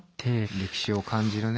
歴史を感じるね。